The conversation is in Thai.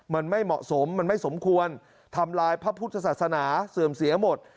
มันไม่เหมาะสมมันไม่สมควรทำลายพระพุทธศาสนาเสื่อมเสียหมด